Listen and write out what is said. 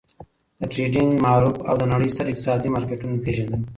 د ټریډینګ معرف او د نړۍ ستر اقتصادي مارکیټونه پیږندل!